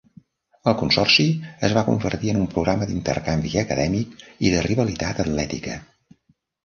El consorci es va convertir en un programa d'intercanvi acadèmic i de rivalitat atlètica.